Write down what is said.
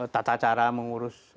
tata cara mengurus